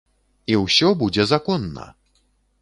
І ўсё будзе законна!